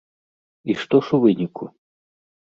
І што ж у выніку?